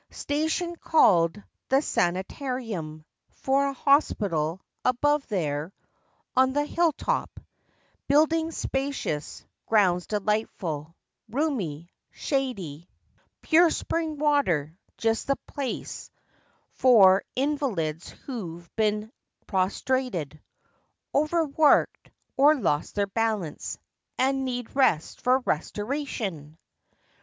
Station called "The Sanitarium," For a hospital, above there, On the hill top. Buildings, spacious; Grounds, delightful, roomy, shady; (5) 6 FACTS AND FANCIES. Pure spring water! Just the place for Invalids who've been "prostrated," "Overworked," or lost their balance, And need rest for restoration!